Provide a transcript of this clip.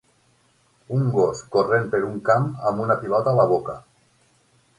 Un gos corrent per un camp amb una pilota a la boca